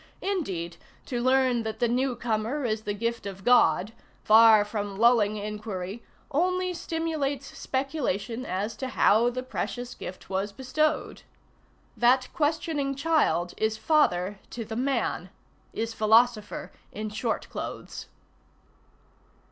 Indeed, to learn that the new comer is the gift of God, far from lulling inquiry, only stimulates speculation as to how the precious gift was bestowed. That questioning child is father to the man, is philosopher in short clothes.